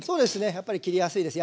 やっぱり切りやすいです。